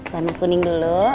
warna kuning dulu